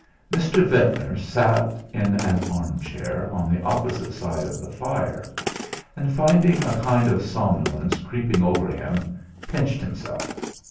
Mr. Ventnor sat in an armchair on the opposite side of the fire; and, finding a kind of somnolence creeping over him, pinched himself.